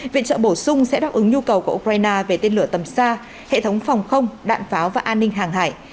viện trợ bổ sung sẽ đáp ứng nhu cầu của ukraine về tên lửa tầm xa hệ thống phòng không đạn pháo và an ninh hàng hải